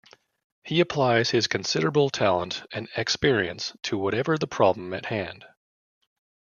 He applies his considerable talent and experience to whatever the problem at hand.